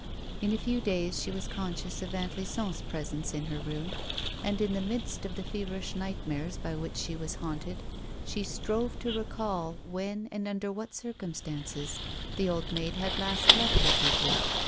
In a few days she was conscious of Aunt Lison's presence in her room, and, in the midst of the feverish nightmares by which she was haunted, she strove to recall when, and under what circumstances, the old maid had last left Les Peuples.